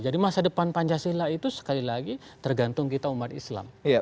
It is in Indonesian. jadi masa depan pancasila itu sekali lagi tergantung kita umat islam